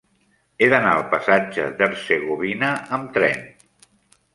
He d'anar al passatge d'Hercegovina amb tren.